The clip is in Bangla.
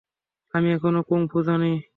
আমি এখনও কুংফু জানি!